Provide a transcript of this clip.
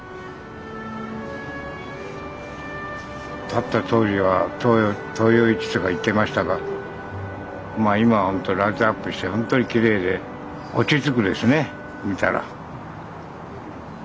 建った当時は東洋一とか言ってましたが今はライトアップして本当にきれいで落ち着くですね見たら。